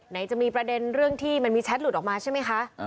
ไหนจะมีประเด็นเรื่องที่มันมีแชทหลุดออกมาใช่ไหมคะ